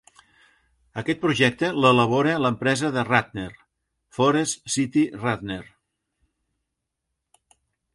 Aquest projecte l'elabora l'empresa de Ratner, Forest City Ratner.